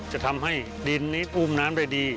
จะทำให้ดินนี้อุ้มน้ำได้ดี